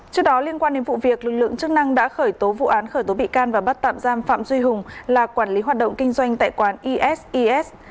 trước đó liên quan đến vụ việc lực lượng chức năng đã khởi tố vụ án khởi tố bị can và bắt tạm giam phạm duy hùng là quản lý hoạt động kinh doanh tại quán eses